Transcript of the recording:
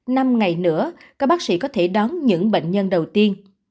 năm ngày nữa các bác sĩ có thể đón những bệnh nhân đầu tiên